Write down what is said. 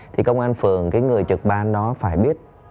thì công an phường cái người trực ban đó phải biết